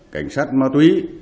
cảnh sát ma túy